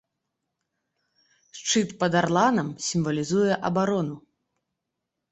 Шчыт пад арланам сімвалізуе абарону.